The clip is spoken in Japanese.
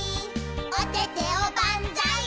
「おててをばんざーい」